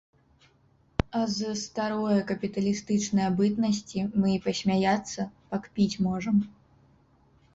А з старое, капіталістычнае бытнасці мы і пасмяяцца, пакпіць можам.